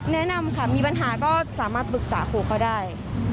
แนะนำค่ะมีปัญหาก็สามารถปรึกษาครูเขาได้